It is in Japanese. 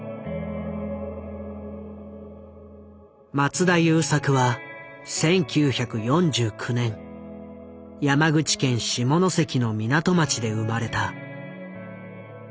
松田優作は１９４９年山口県下関の港町で生まれた。